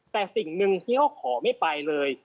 แต่สิ่งหนึ่งที่เขาขอไม่ไปเลย